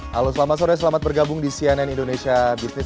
halo selamat sore selamat bergabung di cnn indonesia business